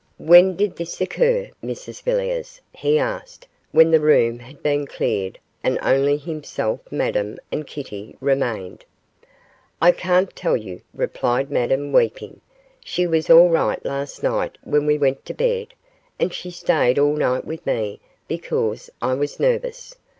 'When did this occur, Mrs Villiers?' he asked, when the room had been cleared and only himself, Madame, and Kitty remained. 'I can't tell you,' replied Madame, weeping; 'she was all right last night when we went to bed, and she stayed all night with me because I was nervous.